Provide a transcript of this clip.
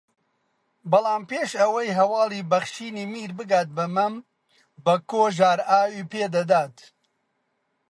بەڵام پێش ئەوەی ھەواڵی بەخشینی میر بگات بە مەم بەکۆ ژارئاوی پێدەدات